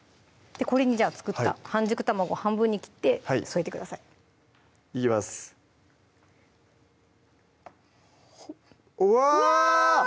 これにじゃあ作った半熟卵半分に切って添えてくださいいきますおわぁ！